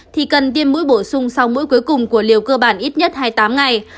thì cần tiêm mũi bổ sung sau mũi cuối cùng của liều cơ bản ít nhất hai mươi tám ngày